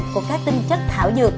của các tinh chất thảo dược